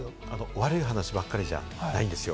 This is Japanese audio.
悪い話ばかりじゃないんですよ。